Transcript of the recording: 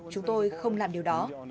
chúng tôi không làm điều đó